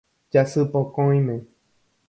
Jasypokõime.